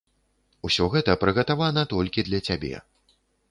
Усё гэта прыгатавана толькі для цябе.